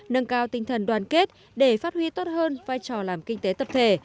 nâng cao tinh thần đoàn kết để phát huy tốt hơn vai trò làm kinh tế tập thể